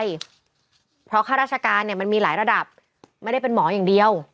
เพราะข้าราชการเนี่ยมันมีหลายระดับไม่ได้เป็นหมออย่างเดียว